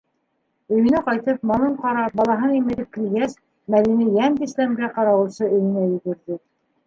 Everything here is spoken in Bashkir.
Өйөнә ҡайтып, малын ҡарап, балаһын имеҙеп килгәс, Мәҙинә йәнтәслимгә ҡарауылсы өйөнә йүгерҙе.